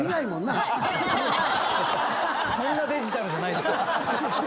そんなデジタルじゃないっすよ。